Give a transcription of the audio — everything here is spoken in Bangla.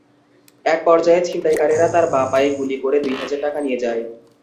একপর্যায়ে ছিনতাইকারীরা তাঁর বাঁ পায়ে গুলি করে দুই হাজার টাকা নিয়ে যায়।